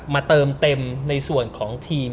เติมเต็มในส่วนของทีม